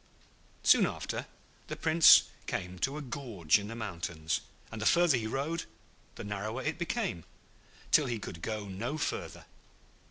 Soon after, the Prince came to a gorge in the mountains, and the further he rode the narrower it became, till he could go no further.